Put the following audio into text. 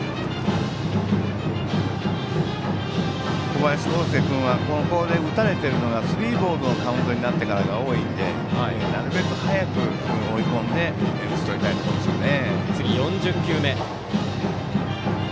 小林剛介君はここで打たれているのがスリーボールのカウントになってからが多いのでなるべく早く追い込んで打ち取りたいところですね。